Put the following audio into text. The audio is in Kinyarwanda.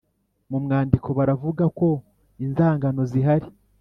Mu mwandiko baravuga ko inzangano zihari